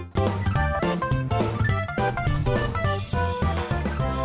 โปรดติดตามตอนต่อไป